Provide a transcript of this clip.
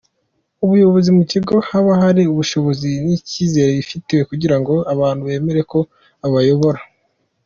Umuyobozi mu kigo haba hari ubushobozi n’icyizere afitiwe kugirango abantu bemere ko abayobora.